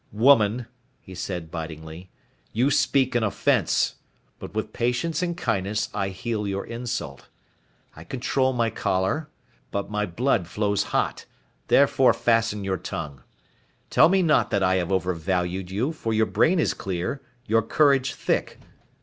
"Woman," he said bitingly, "you speak in offense, but with patience and kindness I heal your insult. I control my choler, but my blood flows hot, therefore fasten your tongue. Tell me not that I have overvalued you, for your brain is clear, your courage thick.